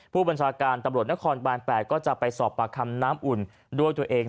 ผู้บัญชาการตำรวจนครบาน๘ก็จะไปสอบปากคำน้ำอุ่นด้วยตัวเอง